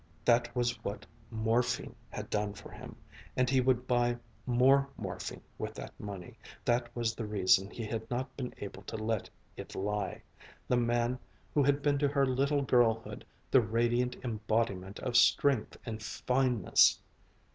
That was what morphine had done for him. And he would buy more morphine with that money, that was the reason he had not been able to let it lie ... the man who had been to her little girlhood the radiant embodiment of strength and fineness!